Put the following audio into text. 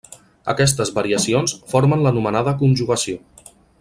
Aquestes variacions formen l'anomenada conjugació.